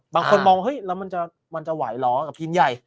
บางคนมองเฮ้ยแล้วมันจะไหวเหรอกับทีมใหญ่